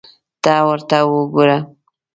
ته ورته وګوره !